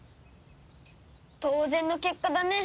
当然の結果だね。